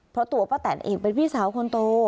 เพราะตัวป้าแตนเองเป็นพี่สาวคนโต